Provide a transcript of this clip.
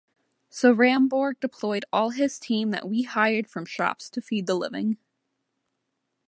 So Rambourg deployed all his team that we hired from shops to feed the living.